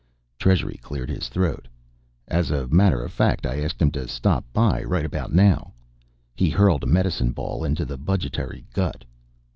Treasury cleared his throat. "As a matter of fact, I've asked him to stop by right about now." He hurled a medicine ball into the budgetary gut.